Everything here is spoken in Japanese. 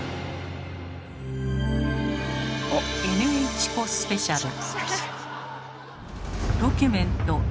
「ＮＨコスペシャル」。